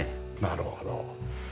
なるほど。